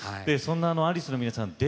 そんなアリスの皆さん